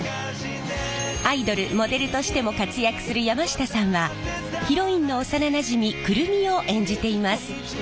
アイドルモデルとしても活躍する山下さんはヒロインの幼なじみ久留美を演じています。